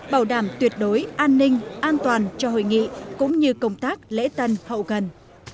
bảo đảm tuyệt đối an ninh an toàn cho hội nghị cũng như công tác lễ tân hậu cần